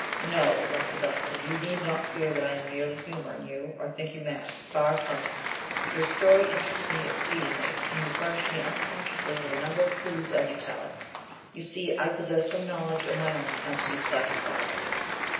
"No," laughed the doctor, "you need not fear that I'm merely humouring you, or think you mad. Far from it. Your story interests me exceedingly and you furnish me unconsciously with a number of clues as you tell it. You see, I possess some knowledge of my own as to these psychic byways."